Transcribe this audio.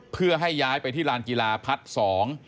เพื่อให้ย้ายไปที่ลานกีฬาพัดสอง